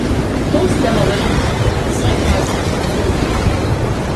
Post-demolition, the site has seen little use.